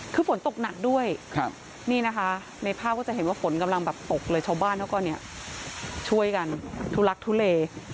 คือฝนตกหนักด้วยนี่นะคะในภาพก็จะเห็นว่าฝนกำลังแบบตกเลยชาวบ้านเขาก็เนี่ยช่วยกันทุลักทุเล